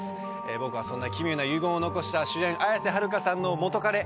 僕はそんな奇妙な遺言を残した主演綾瀬はるかさんの元カレ